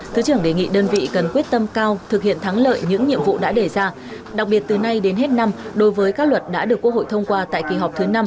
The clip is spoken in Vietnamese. thứ trưởng đề nghị đơn vị cần quyết tâm cao thực hiện thắng lợi những nhiệm vụ đã đề ra đặc biệt từ nay đến hết năm đối với các luật đã được quốc hội thông qua tại kỳ họp thứ năm